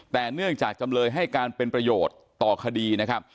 แต่เนื่องจากจำเลยให้การเป็นประโยชน์ต่อคดีนะครับ